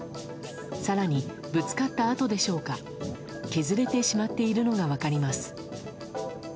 更に、ぶつかった跡でしょうか削れてしまっているのが分かります。